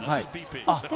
そして。